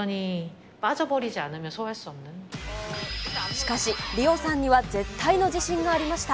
しかし、リオさんには絶対の自信がありました。